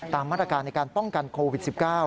ตามมาตรการในการป้องกันโควิด๑๙